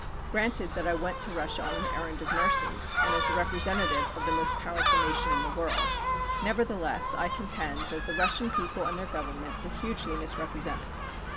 Granted that I went to Russia on an errand of mercy, and as a representative of the most powerful nation in the world, nevertheless I contend that the Russian people and their Government were hugely misrepresented.